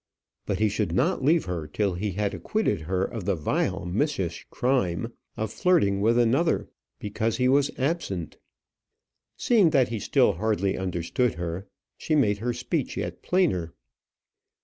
But he should not leave her till he had acquitted her of the vile, missish crime of flirting with another because he was absent. Seeing that he still hardly understood her, she made her speech yet plainer.